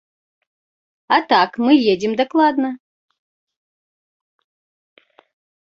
А так, мы едзем дакладна.